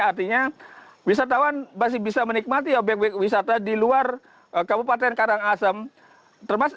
artinya wisatawan masih bisa menikmati obyek ob wisata di luar kabupaten karangasem